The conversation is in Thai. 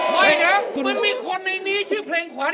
ไม่นะมันมีคนในนี้ชื่อเพลงขวัญ